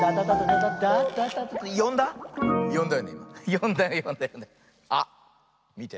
よんだよよんだよよんだよ。あっみて。